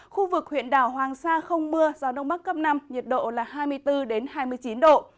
khu vực huyện đảo hoàng sa không mưa gió đông bắc cấp năm nhiệt độ là hai mươi bốn hai mươi chín độ